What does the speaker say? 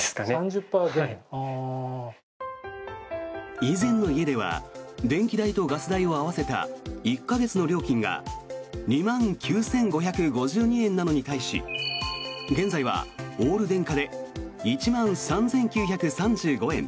以前の家では電気代とガス代を合わせた１か月の料金が２万９５５２円なのに対し現在はオール電化で１万３９３５円。